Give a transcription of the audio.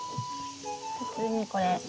普通にこれ。